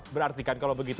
berarti kan kalau begitu